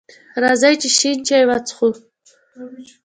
راځئ چې شین چای وڅښو!